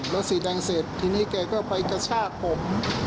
สีแดงเสร็จทีนี้แกก็ไปกระชากผม